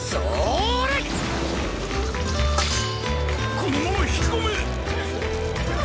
このままひきこめ！